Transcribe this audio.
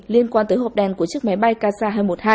liên quan tới hộp đèn của chiếc máy bay kaza hai trăm một mươi hai